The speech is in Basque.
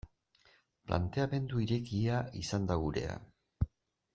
Planteamendu irekia izan da gurea.